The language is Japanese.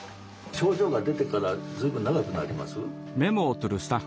症状が出てからずいぶん長くなります？